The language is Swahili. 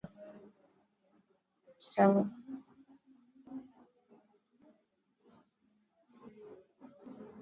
Tangu wakati huo al-Shabab kwa bahati mbaya imekuwa na nguvu zaidi.